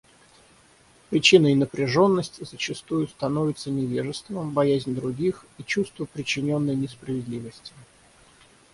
Причиной напряженность зачастую становятся невежество, боязнь других и чувство причиненной несправедливости.